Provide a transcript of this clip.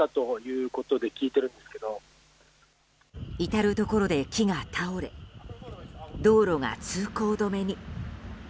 至るところで木が倒れ道路が通行止めに。